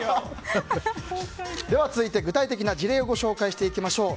では続いて具体的な事例をご紹介していきましょう。